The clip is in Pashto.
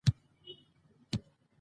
افغانستان د کابل له پلوه متنوع دی.